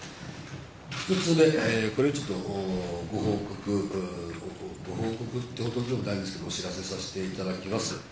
１つ目、これちょっとご報告、ご報告ってほどでもないんですけれども、お知らせさせていただきます。